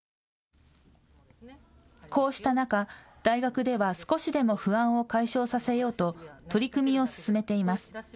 こうした中、大学では少しでも不安を解消させようと取り組みを進めています。